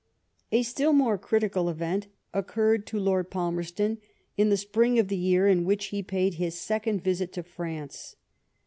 A still more critical event occurred to Lord Palmers ton in the spring of the year in which he paid his second visit to France.